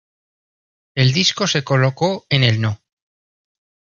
El disco se colocó en el no.